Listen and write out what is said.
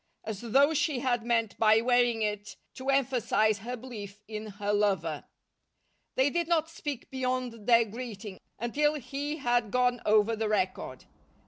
As though she had meant by wearing it to emphasize her belief in her lover. They did not speak beyond their greeting, until he had gone over the record.